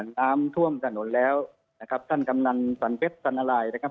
น้ำท่วมถนนแล้วนะครับท่านกำนันสันเพชรสันนารายนะครับ